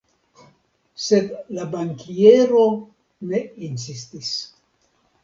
Sed la bankiero ne insistis.